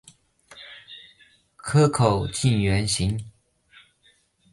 壳口近圆形。